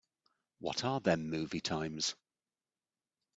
What are them movie times